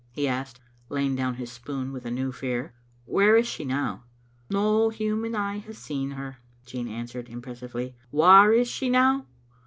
he asked, laying down his spoon with a new fear. " Where is she now?" "No human eye has seen her," Jean answered im pressively. " Whaur is she now?